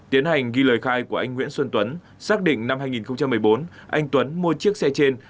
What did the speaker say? tiến hành ghi lời khai của anh nguyễn xuân tuấn xác định năm hai nghìn một mươi bốn anh tuấn mua chiếc xe trên